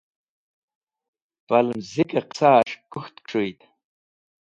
Palẽm zikẽ qẽsas̃h kũk̃ht kẽs̃hũyd.